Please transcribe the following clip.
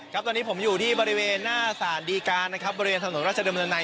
ครับตอนนี้ผมอยู่ที่บริเวณหน้าสารดีการนะครับบริเวณถนนราชดำเนินใน